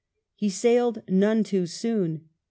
He sailed none too soon.